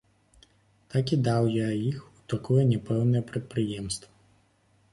Так і даў я іх у такое няпэўнае прадпрыемства.